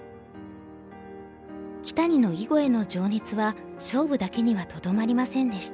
木谷の囲碁への情熱は勝負だけにはとどまりませんでした。